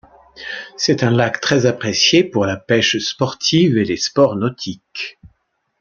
C'est un lac très apprécié pour la pêche sportive et les sports nautiques.